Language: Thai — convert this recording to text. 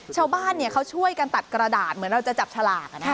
ชาวบ้านเขาช่วยกันตัดกระดาษเหมือนเราจะจับฉลาก